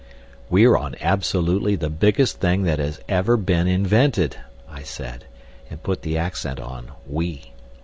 "We're on absolutely the biggest thing that has ever been invented," I said, and put the accent on "we."